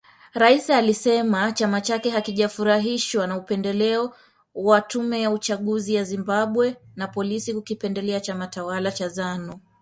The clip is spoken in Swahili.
Rais alisema chama chake hakijafurahishwa na upendeleo wa tume ya uchaguzi ya Zimbabwe, na polisi kwa kukipendelea chama tawala cha Zanu